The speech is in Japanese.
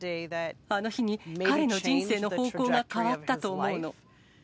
あの日に、彼の人生の方向が変わったと思うの。